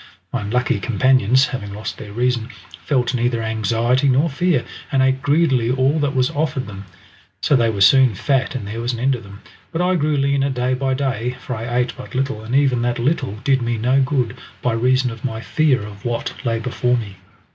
My unlucky companions having lost their reason, felt neither anxiety nor fear, and ate greedily all that was offered them. So they were soon fat and there was an end of them, but I grew leaner day by day, for I ate but little, and even that little did me no good by reason of my fear of what lay before me.